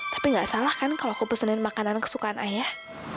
tapi gak salah kan kalau aku pesenin makanan kesukaan ayah